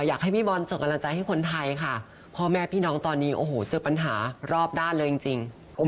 อยากให้พี่บอลส่งกำลังใจให้คนไทยค่ะพ่อแม่พี่น้องตอนนี้โอ้โหเจอปัญหารอบด้านเลยจริง